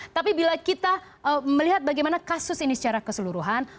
tapi bila kita melihat bagaimana kasus ini secara keseluruhan